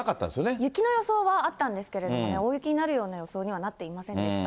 雪の予想はあったんですけどね、大雪になるような予想にはなっていませんでした。